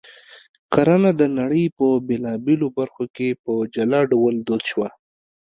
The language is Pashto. کرنه د نړۍ په بېلابېلو برخو کې په جلا ډول دود شوه